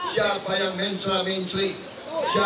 siapa yang kita pilih untuk berpikir pikirnya ini